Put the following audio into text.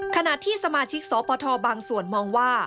ขณะที่สมาชิกสปทบางส่วนมองว่า